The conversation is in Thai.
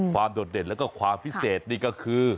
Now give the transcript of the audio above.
โดดเด่นแล้วก็ความพิเศษนี่ก็คือ